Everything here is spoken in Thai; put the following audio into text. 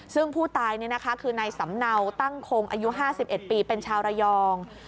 ซึ่งผู้ตายคือนายสำเนาตั้งคงอายุ๕๑ปีเป็นชาวระยอง